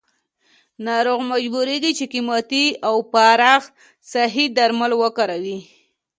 ناروغ مجبوریږي چې قیمتي او پراخ ساحې درمل وکاروي.